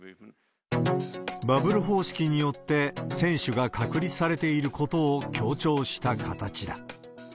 バブル方式によって、選手が隔離されていることを強調した形だ。